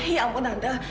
ya ampun tante